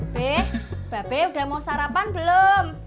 be bapak udah mau sarapan belum